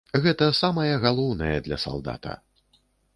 Гэта самае галоўнае для салдата.